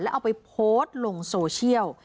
เอาไปโพสต์ลงโซเชียล